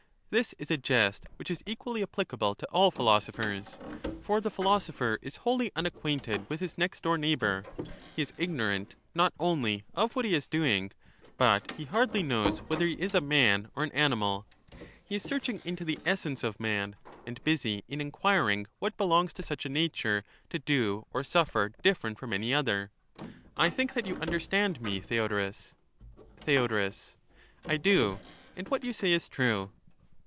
This is a jest which is equally applicable to all philosophers. For the philosopher is wholly unacquainted with his next door neighbour; he is ignorant, not only of what he is doing; but he hardly knows whether he is a man or an animal ; he is searching into the essence of man, and busy in enquiring what belongs to such a nature to do or suffer different from any other ;— I think that you understand me, Theodorus ? Theod, I do, and what you say is true.